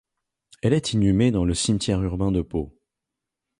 Elle est inhumée dans le cimetière urbain de Pau.